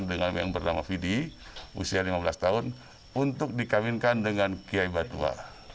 dengan yang bernama fidi usia lima belas tahun untuk dikawinkan dengan kiai batua